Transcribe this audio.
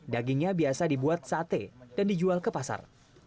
dagingnya biasa dibuat sate dan dijual ke pasar